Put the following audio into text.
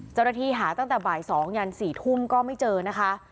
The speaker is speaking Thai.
เจ้าหน้าที่หาตั้งแต่บ่าย๒ยัน๔ทุ่มก็ไม่เจอนะคะ